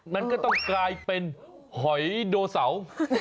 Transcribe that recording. มันก็ต้องกลายเป็นหอยโดเสา